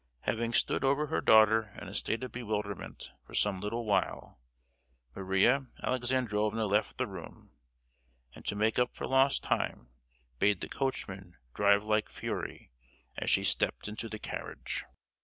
Having stood over her daughter in a state of bewilderment for some little while, Maria Alexandrovna left the room; and to make up for lost time bade the coachman drive like fury, as she stepped into the carriage.